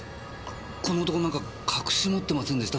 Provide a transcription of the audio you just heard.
この男何か隠し持ってませんでした？